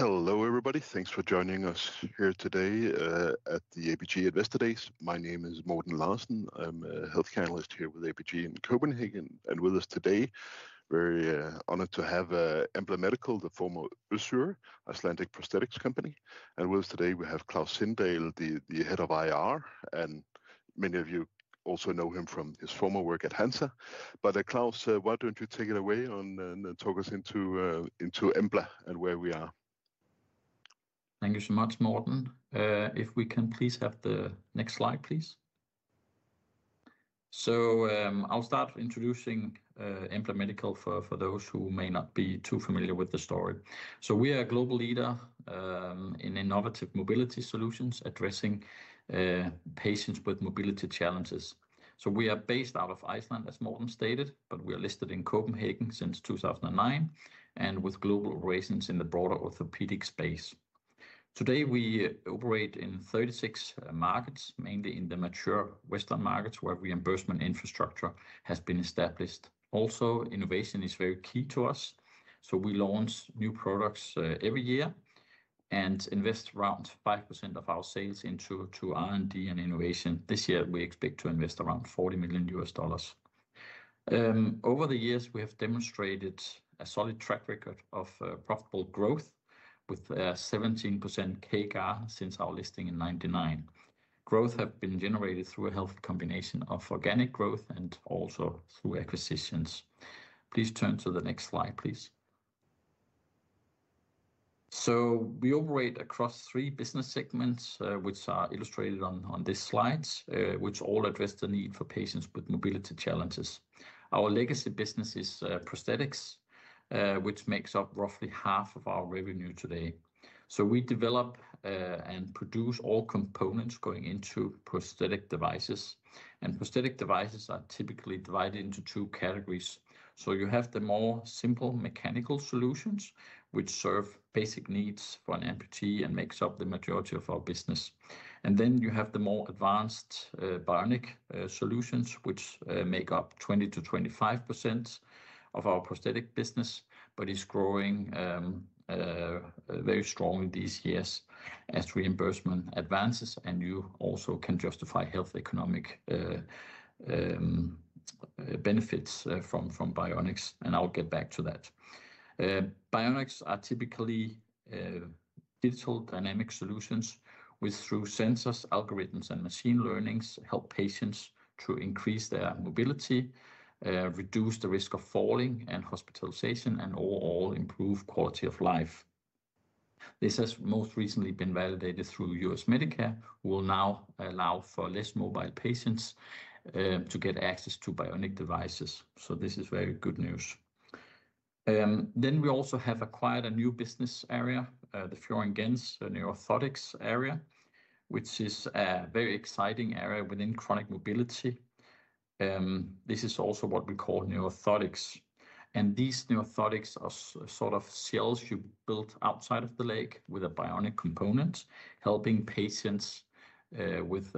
Hello everybody, thanks for joining us here today at the ABG Investor Days. My name is Morten Larsen, I'm an equity analyst here with ABG in Copenhagen, and with us today, very honored to have Embla Medical, the former Össur Icelandic Prosthetics Company. And with us today, we have Klaus Sindahl, the head of IR, and many of you also know him from his former work at Hansa. But Klaus, why don't you take it away and talk us into Embla and where we are? Thank you so much, Morten. If we can please have the next slide, please. So I'll start introducing Embla Medical for those who may not be too familiar with the story. So we are a global leader in innovative mobility solutions addressing patients with mobility challenges. So we are based out of Iceland, as Morten stated, but we are listed in Copenhagen since 2009 and with global presence in the broader orthopedic space. Today we operate in 36 markets, mainly in the mature Western markets where reimbursement infrastructure has been established. Also, innovation is very key to us, so we launch new products every year and invest around 5% of our sales into R&D and innovation. This year we expect to invest around $40 million. Over the years, we have demonstrated a solid track record of profitable growth with a 17% CAGR since our listing in '09. Growth has been generated through a healthy combination of organic growth and also through acquisitions. Please turn to the next slide, please. We operate across three business segments, which are illustrated on these slides, which all address the need for patients with mobility challenges. Our legacy business is prosthetics, which makes up roughly half of our revenue today. We develop and produce all components going into prosthetic devices, and prosthetic devices are typically divided into two categories. You have the more simple mechanical solutions, which serve basic needs for an amputee and make up the majority of our business. Then you have the more advanced bionic solutions, which make up 20%-25% of our prosthetic business, but it's growing very strongly these years as reimbursement advances, and you also can justify health economic benefits from bionics, and I'll get back to that. Bionics are typically digital dynamic solutions with, through sensors, algorithms, and machine learning, help patients to increase their mobility, reduce the risk of falling and hospitalization, and all improve quality of life. This has most recently been validated through U.S. Medicare, who will now allow for less mobile patients to get access to bionic devices. This is very good news. We also have acquired a new business area, the FIOR & GENTZ neuro orthotics area, which is a very exciting area within chronic mobility. This is also what we call neuro orthotics, and these neuro orthotics are sort of shells you build outside of the leg with a bionic component, helping patients with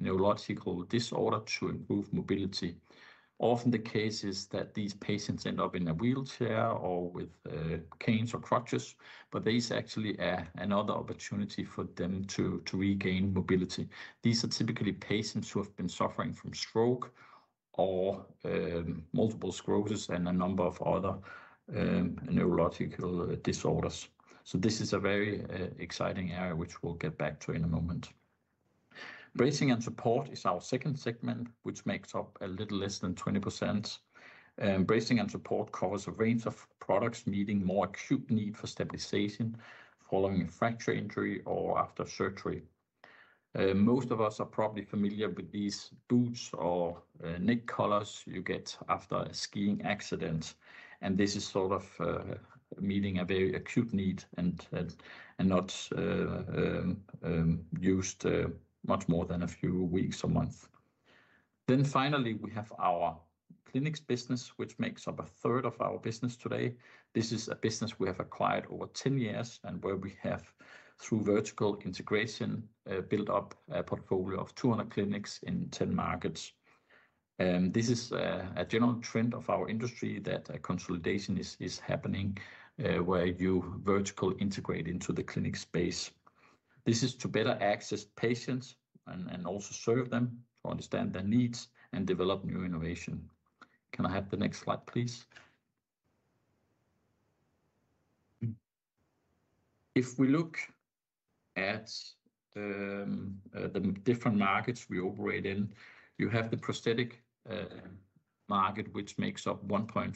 neurological disorder to improve mobility. Often the case is that these patients end up in a wheelchair or with canes or crutches, but these actually are another opportunity for them to regain mobility. These are typically patients who have been suffering from stroke or multiple sclerosis and a number of other neurological disorders. So this is a very exciting area, which we'll get back to in a moment. Bracing and support is our second segment, which makes up a little less than 20%. Bracing and support covers a range of products meeting more acute need for stabilization following a fracture injury or after surgery. Most of us are probably familiar with these boots or neck collars you get after a skiing accident, and this is sort of meeting a very acute need and not used much more than a few weeks or months. Then finally, we have our clinics business, which makes up a third of our business today. This is a business we have acquired over 10 years and where we have, through vertical integration, built up a portfolio of 200 clinics in 10 markets. This is a general trend of our industry that consolidation is happening where you vertically integrate into the clinic space. This is to better access patients and also serve them, understand their needs, and develop new innovation. Can I have the next slide, please? If we look at the different markets we operate in, you have the prosthetic market, which makes up $1.5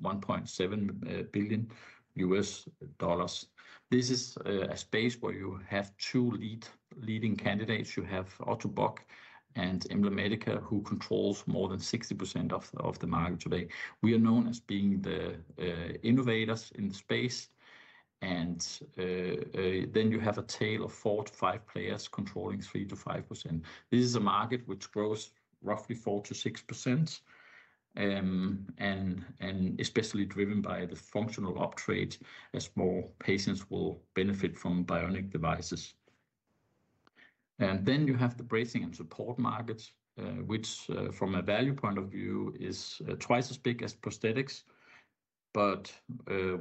billion-$1.7 billion. This is a space where you have two leading candidates. You have Ottobock and Embla Medical, who controls more than 60% of the market today. We are known as being the innovators in the space, and then you have a tail of four to five players controlling 3%-5%. This is a market which grows roughly 4%-6% and especially driven by the functional uptrade as more patients will benefit from bionic devices. And then you have the bracing and support market, which from a value point of view is twice as big as prosthetics, but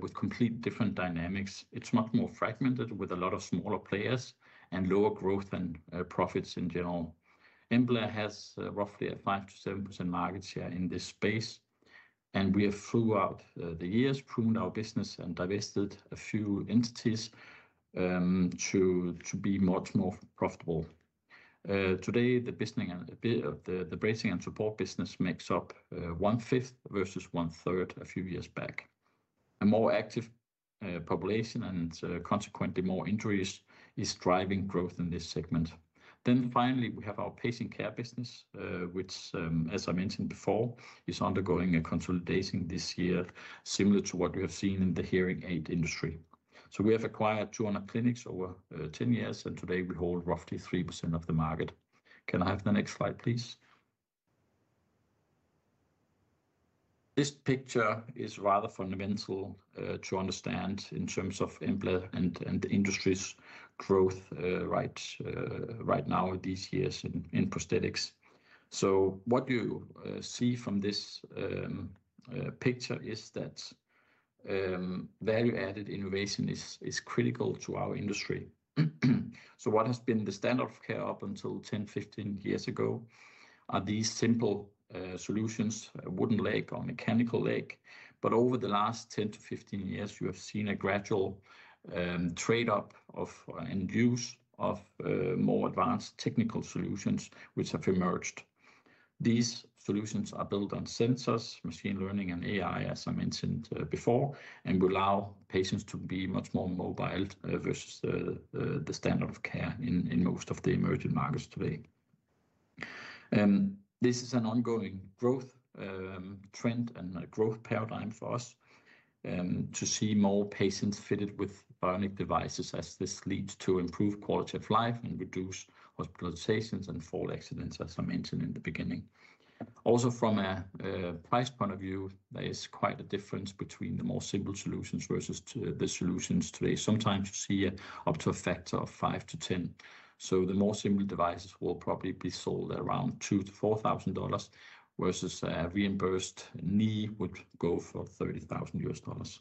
with completely different dynamics. It's much more fragmented with a lot of smaller players and lower growth and profits in general. Embla has roughly a 5%-7% market share in this space, and we have throughout the years pruned our business and divested a few entities to be much more profitable. Today, the bracing and support business makes up one fifth versus one third a few years back. A more active population and consequently more injuries is driving growth in this segment. Then finally, we have our patient care business, which, as I mentioned before, is undergoing a consolidation this year, similar to what we have seen in the hearing aid industry. So we have acquired 200 clinics over 10 years, and today we hold roughly 3% of the market. Can I have the next slide, please? This picture is rather fundamental to understand in terms of Embla and the industry's growth right now these years in prosthetics. So what you see from this picture is that value-added innovation is critical to our industry. So what has been the standard of care up until 10, 15 years ago are these simple solutions, a wooden leg or mechanical leg, but over the last 10, 15 years, you have seen a gradual trade-off and use of more advanced technical solutions which have emerged. These solutions are built on sensors, machine learning, and AI, as I mentioned before, and will allow patients to be much more mobile versus the standard of care in most of the emerging markets today. This is an ongoing growth trend and growth paradigm for us to see more patients fitted with bionic devices, as this leads to improved quality of life and reduced hospitalizations and fall accidents, as I mentioned in the beginning. Also, from a price point of view, there is quite a difference between the more simple solutions versus the solutions today. Sometimes you see up to a factor of five to 10. So the more simple devices will probably be sold at around $2,000-$4,000 versus a reimbursed knee would go for $30,000.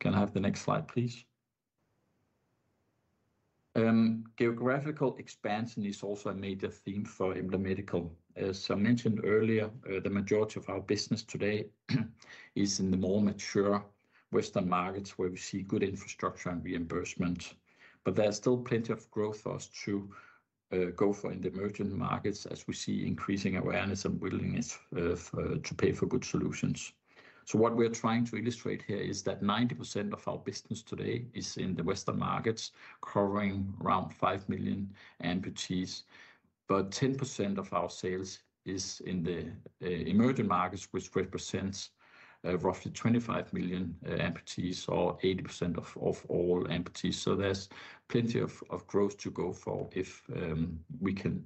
Can I have the next slide, please? Geographical expansion is also a major theme for Embla Medical. As I mentioned earlier, the majority of our business today is in the more mature Western markets where we see good infrastructure and reimbursement, but there's still plenty of growth for us to go for in the emerging markets as we see increasing awareness and willingness to pay for good solutions. So what we're trying to illustrate here is that 90% of our business today is in the Western markets covering around 5 million amputees, but 10% of our sales is in the emerging markets, which represents roughly 25 million amputees or 80% of all amputees. So there's plenty of growth to go for if we can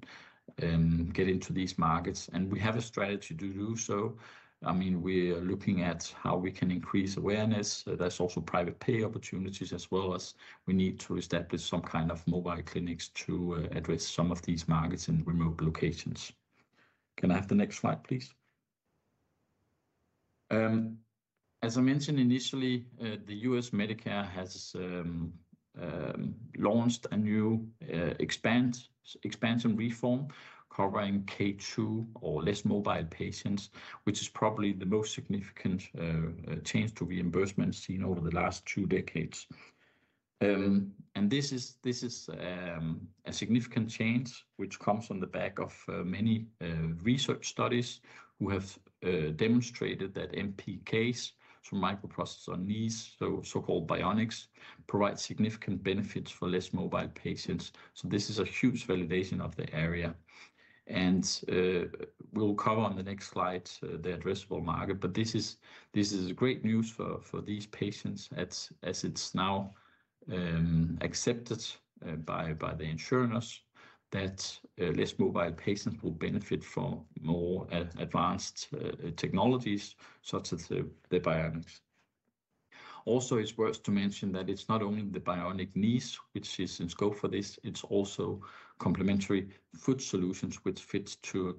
get into these markets, and we have a strategy to do so. I mean, we are looking at how we can increase awareness. There's also private pay opportunities as well as we need to establish some kind of mobile clinics to address some of these markets in remote locations. Can I have the next slide, please? As I mentioned initially, the U.S. Medicare has launched a new expansion reform covering K2 or less mobile patients, which is probably the most significant change to reimbursement seen over the last two decades. And this is a significant change which comes on the back of many research studies who have demonstrated that MPKs, or microprocessor-controlled knees, so-called bionics, provide significant benefits for less mobile patients. So this is a huge validation of the area, and we'll cover on the next slide the addressable market, but this is great news for these patients as it's now accepted by the insurers that less mobile patients will benefit from more advanced technologies such as the bionics. Also, it's worth to mention that it's not only the bionic knees which is in scope for this, it's also complementary foot solutions which fit to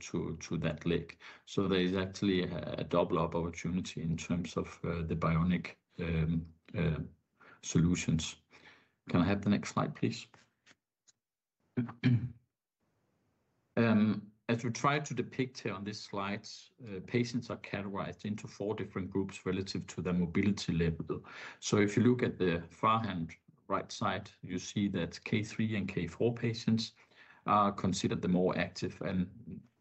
that leg. So there is actually a double-up opportunity in terms of the bionic solutions. Can I have the next slide, please? As we try to depict here on this slide, patients are categorized into four different groups relative to their mobility level. So if you look at the far right-hand side, you see that K3 and K4 patients are considered the more active, and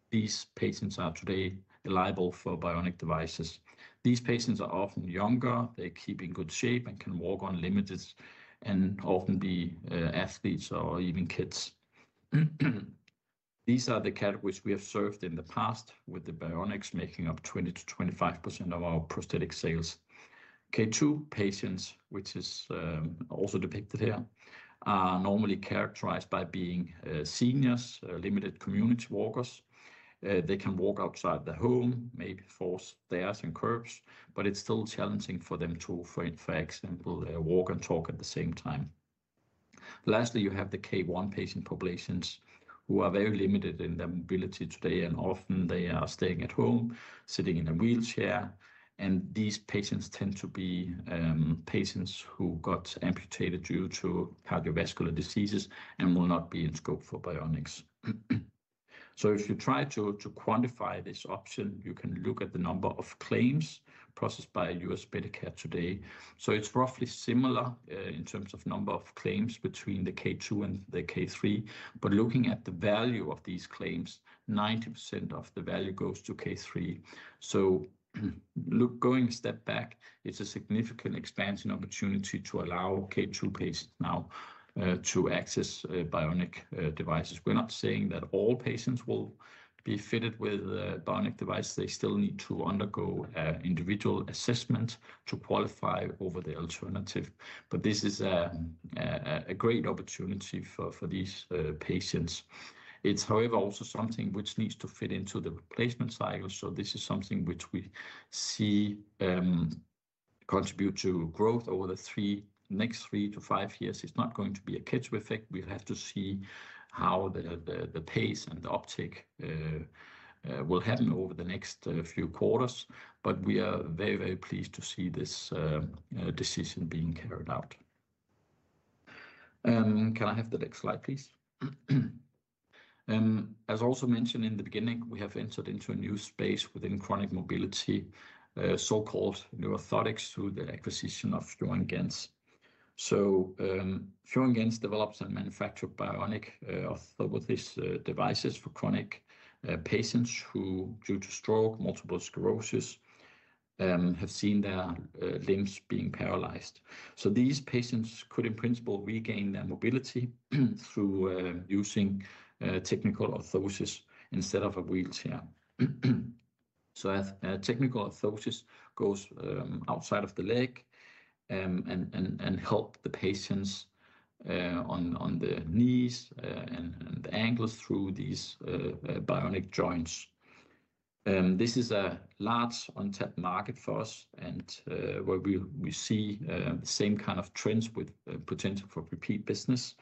these patients are today eligible for bionic devices. These patients are often younger, they keep in good shape and can walk unlimited, and often be athletes or even kids. These are the categories we have served in the past with the bionics making up 20%-25% of our prosthetic sales. K2 patients, which is also depicted here, are normally characterized by being seniors, limited community walkers. They can walk outside their home, maybe for stairs and curbs, but it's still challenging for them to, for example, walk and talk at the same time. Lastly, you have the K1 patient populations who are very limited in their mobility today, and often they are staying at home, sitting in a wheelchair, and these patients tend to be patients who got amputated due to cardiovascular diseases and will not be in scope for bionics. So if you try to quantify this option, you can look at the number of claims processed by U.S. Medicare today. So it's roughly similar in terms of number of claims between the K2 and the K3, but looking at the value of these claims, 90% of the value goes to K3. So going a step back, it's a significant expansion opportunity to allow K2 patients now to access bionic devices. We're not saying that all patients will be fitted with bionic devices. They still need to undergo an individual assessment to qualify over the alternative, but this is a great opportunity for these patients. It's, however, also something which needs to fit into the replacement cycle. So this is something which we see contribute to growth over the next three to five years. It's not going to be a catch-up effect. We'll have to see how the pace and the optic will happen over the next few quarters, but we are very, very pleased to see this decision being carried out. Can I have the next slide, please? As also mentioned in the beginning, we have entered into a new space within chronic mobility, so-called neuro orthotics, through the acquisition of FIOR & GENTZ. So GENTZ develops and manufactures bionic orthopedic devices for chronic patients who, due to stroke, multiple sclerosis, have seen their limbs being paralyzed. These patients could, in principle, regain their mobility through using technical orthosis instead of a wheelchair. Technical orthosis goes outside of the leg and helps the patients on the knees and the ankles through these bionic joints. This is a large untapped market for us, and where we see the same kind of trends with potential for repeat business.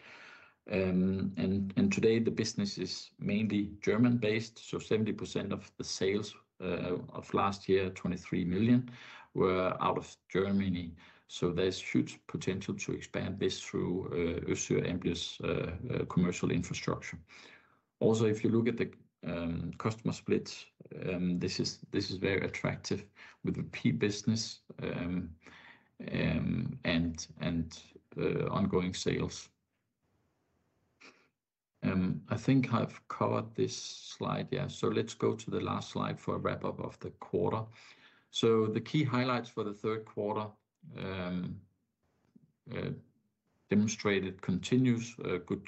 Today, the business is mainly German-based, so 70% of the sales of last year, 23 million, were out of Germany. There's huge potential to expand this through Össur Embla's commercial infrastructure. Also, if you look at the customer split, this is very attractive with repeat business and ongoing sales. I think I've covered this slide, yeah. Let's go to the last slide for a wrap-up of the quarter. The key highlights for the third quarter demonstrated continuous good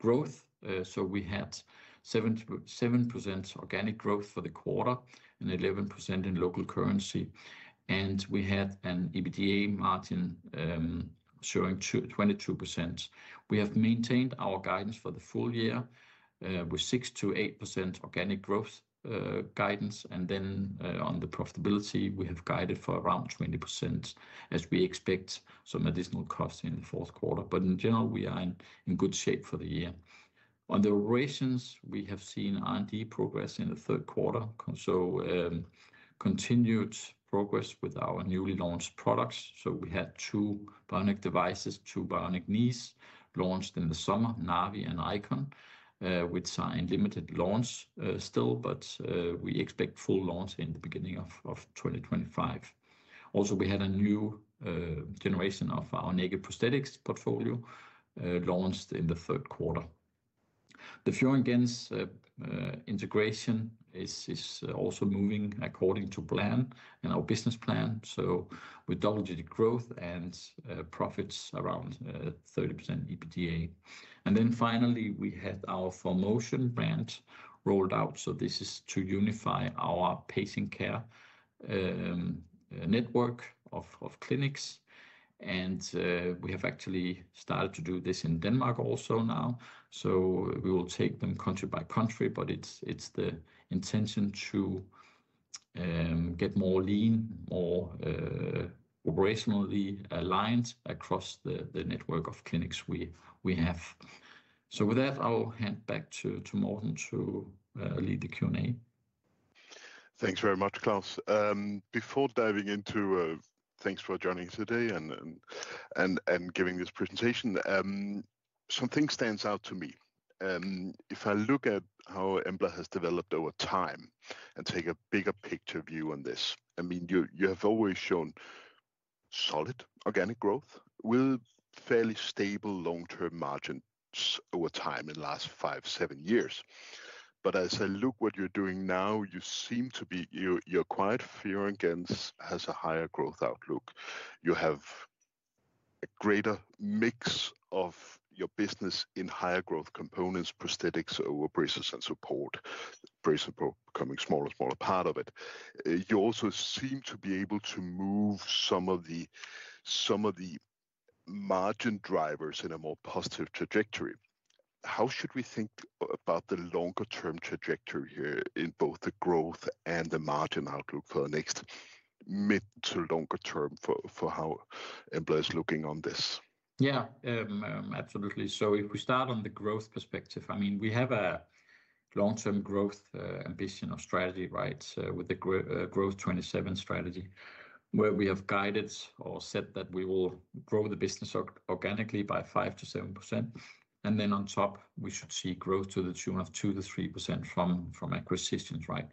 growth. We had 7% organic growth for the quarter and 11% in local currency, and we had an EBITDA margin showing 22%. We have maintained our guidance for the full year with 6%-8% organic growth guidance, and then on the profitability, we have guided for around 20% as we expect some additional costs in the fourth quarter, but in general, we are in good shape for the year. On the operations, we have seen R&D progress in the third quarter, so continued progress with our newly launched products. We had two bionic devices, two bionic knees launched in the summer, Navi and Icon, which are in limited launch still, but we expect full launch in the beginning of 2025. Also, we had a new generation of our Naked Prosthetics portfolio launched in the third quarter. The FIOR & GENTZ integration is also moving according to plan and our business plan, so with double-digit growth and profits around 30% EBITDA. And then finally, we had our ForMotion brand rolled out. So this is to unify our patient care network of clinics, and we have actually started to do this in Denmark also now. So we will take them country by country, but it's the intention to get more lean, more operationally aligned across the network of clinics we have. So with that, I'll hand back to Morten to lead the Q&A. Thanks very much, Klaus. Before diving into, thanks for joining today and giving this presentation. Something stands out to me. If I look at how Embla has developed over time and take a bigger picture view on this, I mean, you have always shown solid organic growth with fairly stable long-term margins over time in the last five, seven years. But as I look at what you're doing now, you seem to be, your quiet FIOR & GENTZ has a higher growth outlook. You have a greater mix of your business in higher growth components, prosthetics, over braces and support, braces becoming a smaller and smaller part of it. You also seem to be able to move some of the margin drivers in a more positive trajectory. How should we think about the longer-term trajectory here in both the growth and the margin outlook for the next mid to longer term for how Embla is looking on this? Yeah, absolutely. If we start on the growth perspective, I mean, we have a long-term growth ambition or strategy, right, with the Growth 2027 strategy, where we have guided or said that we will grow the business organically by 5%-7%. And then on top, we should see growth to the tune of 2%-3% from acquisitions, right?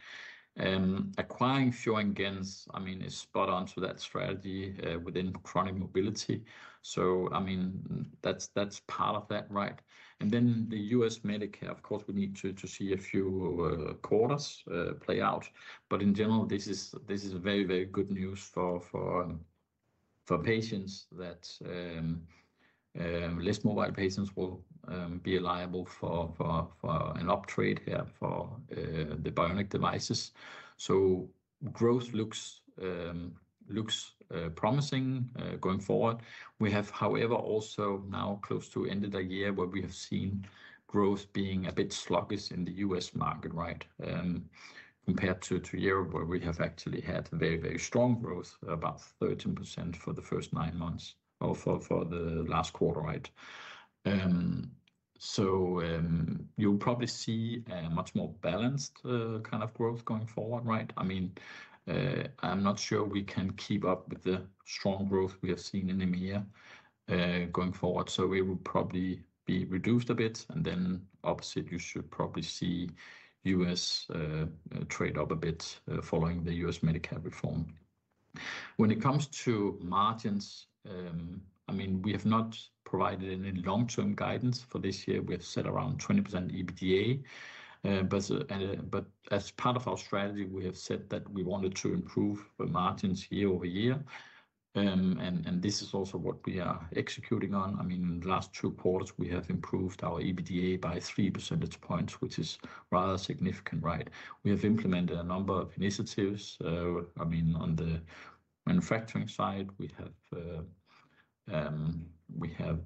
Acquiring FIOR & GENTZ, I mean, is spot on to that strategy within chronic mobility. So, I mean, that's part of that, right? And then the U.S. Medicare, of course, we need to see a few quarters play out, but in general, this is very, very good news for patients that less mobile patients will be liable for an uptrade here for the bionic devices. Growth looks promising going forward. We have, however, also now close to the end of the year where we have seen growth being a bit sluggish in the U.S. market, right, compared to the year where we have actually had very, very strong growth, about 13% for the first nine months or for the last quarter, right? So you'll probably see a much more balanced kind of growth going forward, right? I mean, I'm not sure we can keep up with the strong growth we have seen in EMEA going forward. So we will probably be reduced a bit, and then opposite, you should probably see U.S. trade up a bit following the U.S. Medicare reform. When it comes to margins, I mean, we have not provided any long-term guidance for this year. We have set around 20% EBITDA, but as part of our strategy, we have said that we wanted to improve the margins year-over-year, and this is also what we are executing on. I mean, in the last two quarters, we have improved our EBITDA by three percentage points, which is rather significant, right? We have implemented a number of initiatives. I mean, on the manufacturing side, we have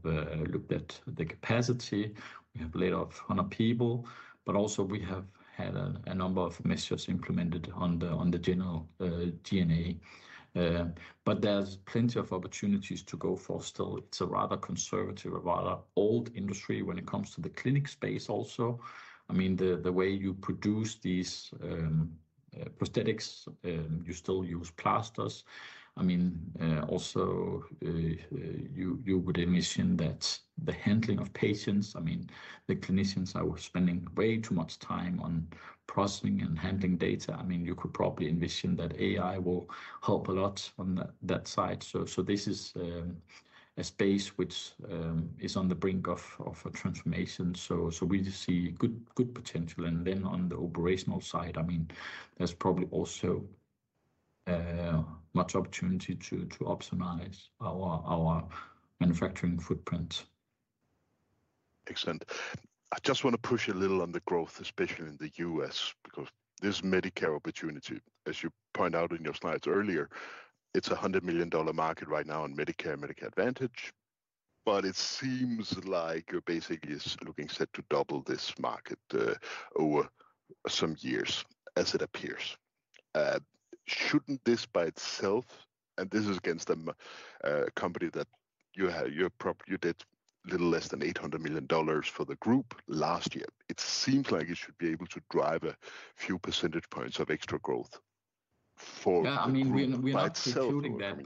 looked at the capacity. We have laid off 100 people, but also we have had a number of measures implemented on the general G&A. But there's plenty of opportunities to go for still. It's a rather conservative, a rather old industry when it comes to the clinic space also. I mean, the way you produce these prosthetics, you still use plasters. I mean, also you would envision that the handling of patients, I mean, the clinicians are spending way too much time on processing and handling data. I mean, you could probably envision that AI will help a lot on that side. So this is a space which is on the brink of a transformation. So we see good potential. And then on the operational side, I mean, there's probably also much opportunity to optimize our manufacturing footprint. Excellent. I just want to push a little on the growth, especially in the U.S., because this Medicare opportunity, as you point out in your slides earlier, it's a $100 million market right now in Medicare and Medicare Advantage, but it seems like you're basically looking set to double this market over some years, as it appears. Shouldn't this by itself, and this is against a company that you did little less than $800 million for the group last year. It seems like it should be able to drive a few percentage points of extra growth for the market. Yeah, I mean, we're not executing that,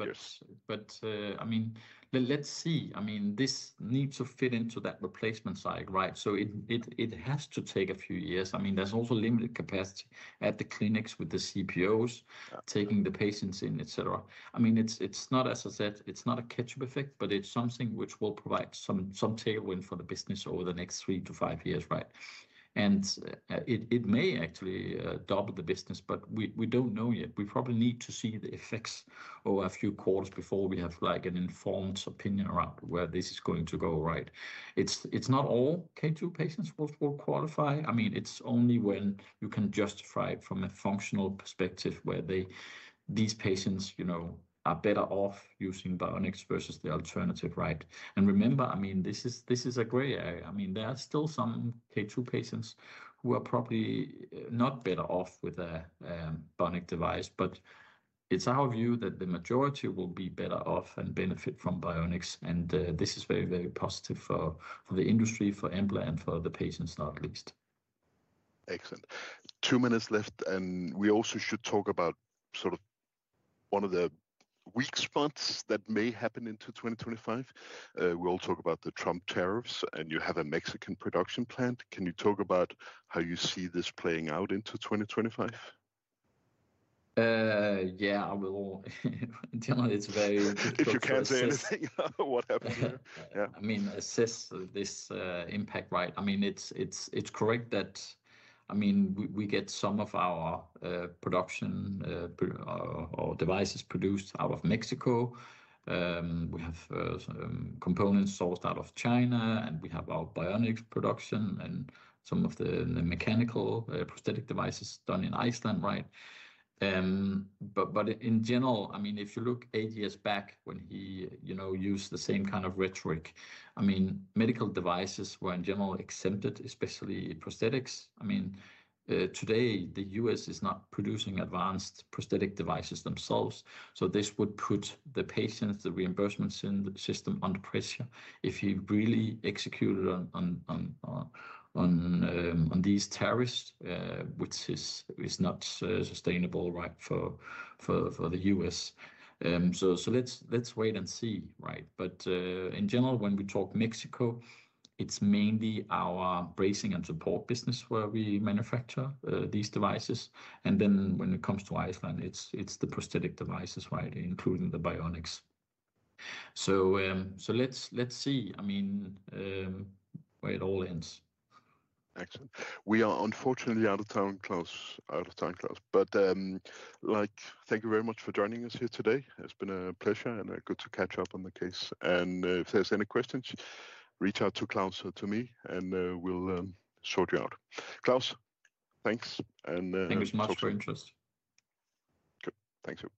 but I mean, let's see. I mean, this needs to fit into that replacement side, right? So it has to take a few years. I mean, there's also limited capacity at the clinics with the CPOs taking the patients in, etc. I mean, it's not, as I said, it's not a catch-up effect, but it's something which will provide some tailwind for the business over the next three-to-five years, right? It may actually double the business, but we don't know yet. We probably need to see the effects over a few quarters before we have an informed opinion around where this is going to go, right? It's not all K2 patients will qualify. I mean, it's only when you can justify it from a functional perspective where these patients are better off using Bionics versus the alternative, right? And remember, I mean, this is a gray area. I mean, there are still some K2 patients who are probably not better off with a bionic device, but it's our view that the majority will be better off and benefit from Bionics, and this is very, very positive for the industry, for Embla, and for the patients, not least. Excellent. Two minutes left, and we also should talk about sort of one of the weak spots that may happen into 2025. We all talk about the Trump tariffs, and you have a Mexican production plant. Can you talk about how you see this playing out into 2025? Yeah, I will. It's very interesting. If you can't say anything, what happened here? Yeah. I mean, assess this impact, right? I mean, it's correct that, I mean, we get some of our production or devices produced out of Mexico. We have components sourced out of China, and we have our Bionics production and some of the mechanical prosthetic devices done in Iceland, right? But in general, I mean, if you look eight years back when he used the same kind of rhetoric, I mean, medical devices were in general exempted, especially prosthetics. I mean, today, the U.S. is not producing advanced prosthetic devices themselves. So this would put the patients, the reimbursement system under pressure if he really executed on these tariffs, which is not sustainable, right, for the U.S. So let's wait and see, right? But in general, when we talk Mexico, it's mainly our bracing and support business where we manufacture these devices. And then when it comes to Iceland, it's the prosthetic devices, right, including the Bionics. So let's see, I mean, where it all ends. Excellent. We are unfortunately out of time, Klaus, out of time, Klaus. But thank you very much for joining us here today. It's been a pleasure and good to catch up on the case. And if there's any questions, reach out to Klaus, to me, and we'll sort you out. Klaus, thanks. And thanks for your interest. Good. Thank you.